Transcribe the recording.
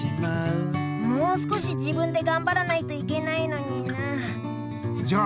もう少し自分でがんばらないといけないのになあ。